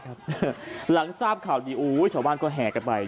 งานทางสาปขาวดีโอ้วชะว่างก็แหกละไป